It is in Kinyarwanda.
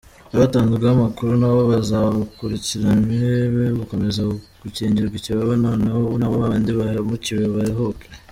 Abatanzweho amakuru nabo bazakurikiranywe be gukomeza gukingirwa ikibaba noneho na babandi bahemukiwe baruhuke”